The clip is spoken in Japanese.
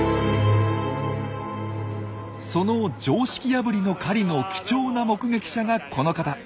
その常識破りの狩りの貴重な目撃者がこの方。